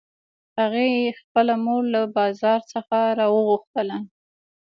هغې خپله مور له بازار څخه راوغوښتله